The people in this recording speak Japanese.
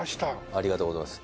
ありがとうございます。